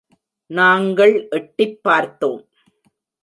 நாங்கள் எட்டிப் பார்த்தோம்.